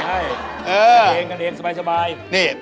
กันเองสบาย